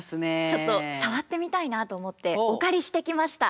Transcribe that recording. ちょっと触ってみたいなと思ってお借りしてきました。